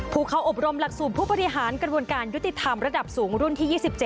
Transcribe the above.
ผู้เข้าอบรมหลักสูตรผู้บริหารกระบวนการยุติธรรมระดับสูงรุ่นที่๒๗